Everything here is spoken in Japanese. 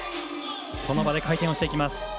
その場で回転していきます。